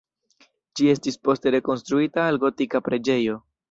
Ĝi estis poste rekonstruita al gotika preĝejo.